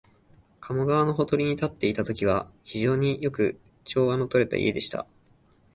加茂川のほとりに建っていたときは、非常によく調和のとれた家でした